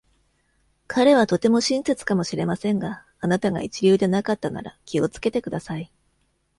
彼はとても親切かもしれませんが、あなたが一流でなかったなら、気をつけてください。